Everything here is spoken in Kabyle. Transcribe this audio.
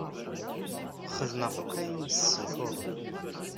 Xedmeɣ akk ayen i d-tessutureḍ.